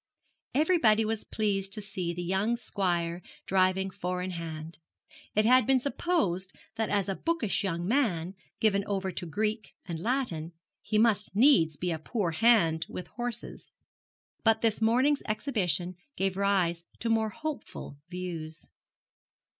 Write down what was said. Everybody was pleased to see the young squire driving four in hand. It had been supposed that as a bookish young man, given over to Greek and Latin, he must needs be a poor hand with horses. But this morning's exhibition gave rise to more hopeful views.